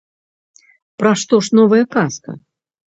Пра што ж новая казка?